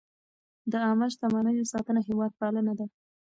د عامه شتمنیو ساتنه هېوادپالنه ده.